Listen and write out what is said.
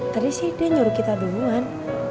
tadi sih dia nyuruh kita duluan